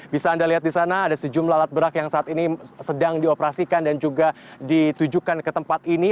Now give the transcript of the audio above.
bisa anda lihat di sana ada sejumlah alat berat yang saat ini sedang dioperasikan dan juga ditujukan ke tempat ini